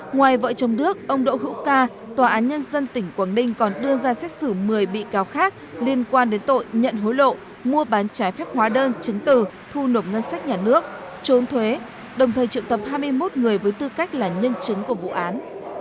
ngoài vợ chồng đức ông đỗ hữu ca tòa án nhân dân tỉnh quảng ninh còn đưa ra xét xử một mươi bị cáo khác liên quan đến tội nhận hối lộ mua bán trái phép hóa đơn chứng từ thu nộp ngân sách nhà nước trốn thuế đồng thời triệu tập hai mươi một người với tư cách là nhân chứng của vụ án